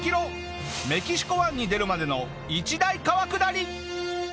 メキシコ湾に出るまでの一大川下り。